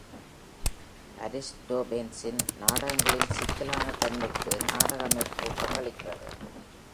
அரிஸ்டோபேன்ஸின் நாடகங்களின் சிக்கலான தன்மைக்கு நாடக அமைப்பு பங்களிக்கிறது.